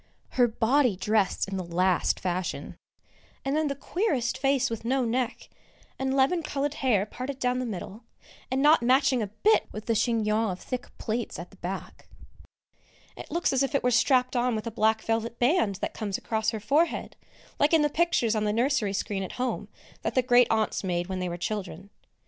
Her body dressed in the last fashion, and then the queerest face with no neck, and lemon coloured hair parted down the middle, and not matching a bit with the chignon of thick plaits at the back. It looks as if it were strapped on with a black velvet band that comes across her forehead, like in the pictures on the nursery screen at home that the Great aunts made when they were children.